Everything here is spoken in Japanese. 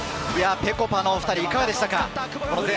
ぺこぱのお２人、いかがでしたか？